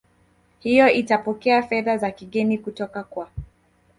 hiyo itapokea fedha za kigeni kutoka kwa